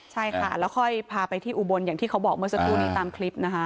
ใช่ค่ะแล้วค่อยพาไปที่อุบลอย่างที่เขาบอกเมื่อสักครู่นี้ตามคลิปนะคะ